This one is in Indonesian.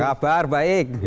apa kabar baik